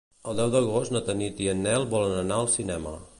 El deu d'agost na Tanit i en Nel volen anar al cinema.